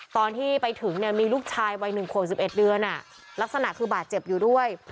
ตอนที่ไปถึงเนี่ยมีลูกชายวัย๑ขวบ๑๑เดือนลักษณะคือบาดเจ็บอยู่ด้วย